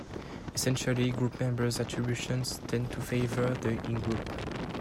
Essentially, group members' attributions tend to favor the in-group.